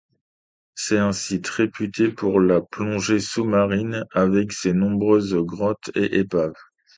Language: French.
C'est un site réputé pour la plongée sous-marine avec ses nombreuses grottes et épaves.